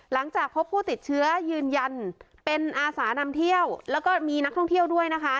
หลังจากพบผู้ติดเชื้อยืนยันเป็นอาสานำเที่ยวแล้วก็มีนักท่องเที่ยวด้วยนะคะ